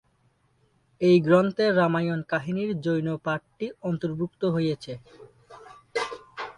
এই গ্রন্থে রামায়ণ-কাহিনির জৈন পাঠটি অন্তর্ভুক্ত হয়েছে।